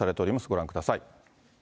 ご覧ください。